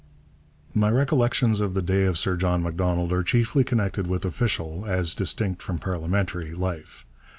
My recollections of the day of Sir John Macdonald are chiefly connected with official, as distinct from parliamentary, life.